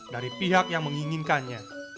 dari pihak yang menginginkannya